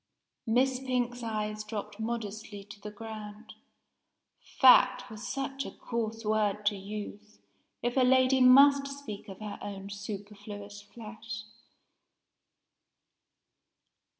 Miss Pink's eyes dropped modestly to the ground "fat" was such a coarse word to use, if a lady must speak of her own superfluous flesh!